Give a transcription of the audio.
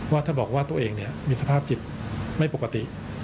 ว่าถ้าบอกว่าตัวเองมีสภาพจิตไม่ปกติ